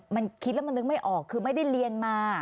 มันคิดแล้วมันนึกไม่ออกคือไม่ได้เรียนมา